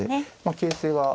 形勢は。